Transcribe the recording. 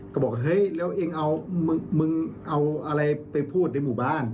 ก็บอกเฮ้ยแล้วเองเอามึงเอาอะไรไปพูดในหมู่บ้าน